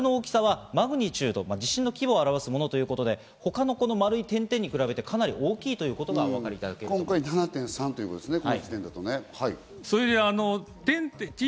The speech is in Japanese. この丸の大きさはマグニチュード、地震の規模を表すものということで他の丸い点々に比べて、かなり大きいということがお分かりいただけると思います。